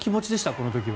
この時は。